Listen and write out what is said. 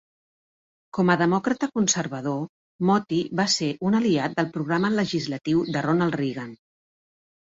Com a demòcrata conservador, Mottl va ser un aliat del programa legislatiu de Ronald Reagan.